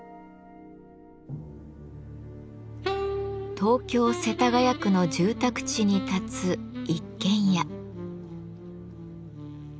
東京・世田谷区の住宅地に建つ一軒家。